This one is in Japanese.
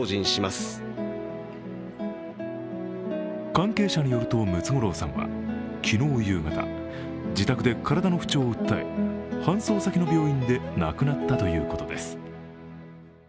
関係者によるとムツゴロウさんは昨日夕方、自宅で体の不調を訴え搬送先の病院で亡くなったということです。